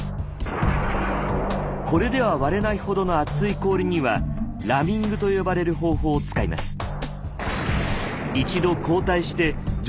これでは割れないほどの厚い氷には「ラミング」と呼ばれる方法を使います。